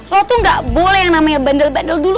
lo tuh gak boleh yang namanya bandel bandel dulu